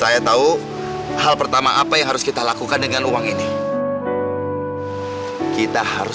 ayo kita cari makan baru kita pikirkan rencana selanjutnya